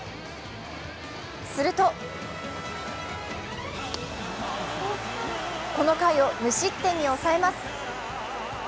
するとこの回を無失点に抑えます。